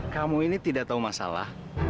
kamu ini tidak tahu masalah